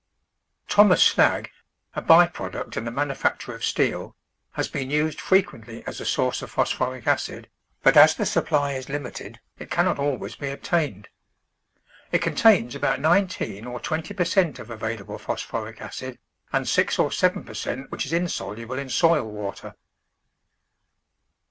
Thomas slag, a by product in the manufacture of steel, has been used frequently as a source of phosphoric acid, but as the supply is limited it cannot always be obtained. It contains about nineteen or twenty per cent of available phos phoric acid and six or seven per cent which is in soluble in soil water.